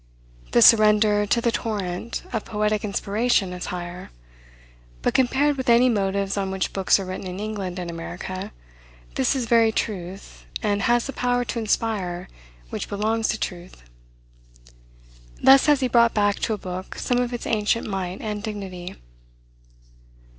The surrender to the torrent, of poetic inspiration is higher; but compared with any motives on which books are written in England and America, this is very truth, and has the power to inspire which belongs to truth. Thus has he brought back to a book some of its ancient might and dignity.